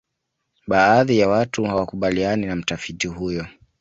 baadhi ya watu hawakubaliana na mtafiti huyo